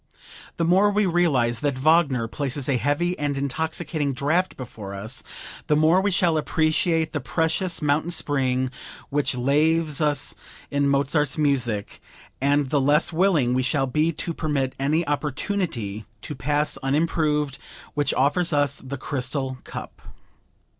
The more we realize that Wagner places a heavy and intoxicating draught before us the more we shall appreciate the precious mountain spring which laves us in Mozart's music, and the less willing we shall be to permit any opportunity to pass unimproved which offers us the crystal cup.